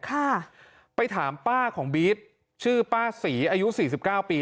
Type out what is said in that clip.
ค่ะไปถามป้าของบี๊ดชื่อป้าศรีอายุสี่สิบเก้าปี